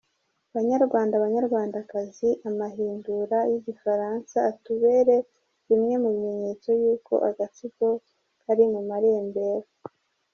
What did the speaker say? Banyarwanda banyarwandakazi, amahindura y’ igifaransa atubere bimwe mu bimenyetso yuko agatsiko kari mu marembera.